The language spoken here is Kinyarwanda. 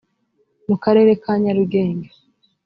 mu karere ka nyarugenge